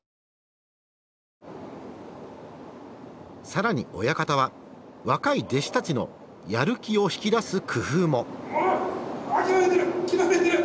更に親方は若い弟子たちのやる気を引き出す工夫も。